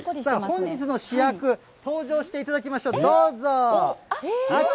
本日の主役、登場していただきましょう、どうぞ。